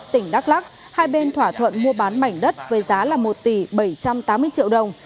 tỉnh đắk lắc hai bên thỏa thuận mua bán mảnh đất với giá là một tỷ bảy trăm tám mươi triệu đồng